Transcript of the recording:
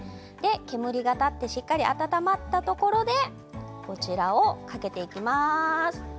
煙が立ってしっかり温まったところでかけていきます。